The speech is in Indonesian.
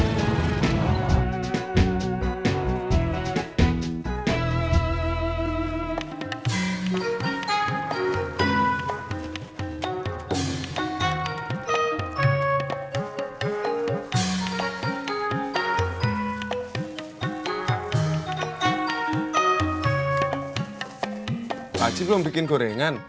lagi belum bikin gorengan